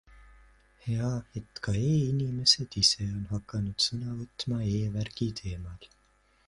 Hea, et ka e-inimesed ise on hakanud sõna võtma e-värgi teemal.